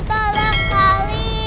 salah kak ali